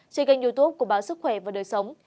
trên kênh youtube của báo sức khỏe và đời sống